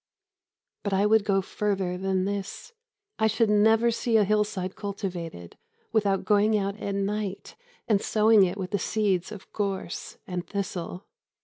But I would go further than this. I should never see a hill side cultivated without going out at night and sowing it with the seeds of gorse and thistle.